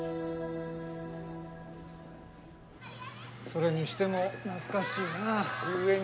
それにしても懐かしいなぁ遊園地。